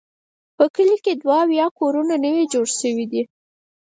په کلي کې دوه اویا کورونه نوي جوړ شوي دي.